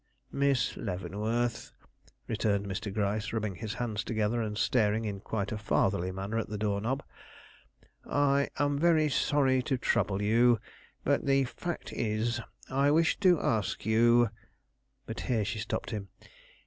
"Miss Leavenworth," returned Mr. Gryce, rubbing his hands together and staring in quite a fatherly manner at the door knob, "I am very sorry to trouble you, but the fact is I wish to ask you " But here she stopped him.